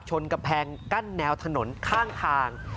กำแพงกั้นแนวถนนข้างทาง